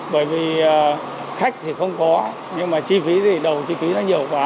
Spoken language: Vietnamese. bởi vì khách thì không có nhưng mà chi phí thì đầu chi phí nó nhiều quá